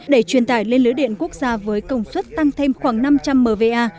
để truyền tải lên lưới điện quốc gia với công suất tăng thêm khoảng năm trăm linh mva